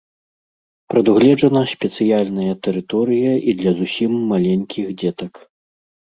Прадугледжана спецыяльная тэрыторыя і для зусім маленькіх дзетак.